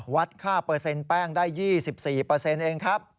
วัดค่าเปอร์เซ็นต์แป้งได้๒๔เองครับ